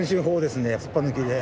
すっぱ抜きで。